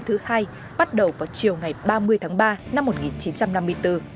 cư điểm đêm thứ hai bắt đầu vào chiều ngày ba mươi tháng ba năm một nghìn chín trăm năm mươi bốn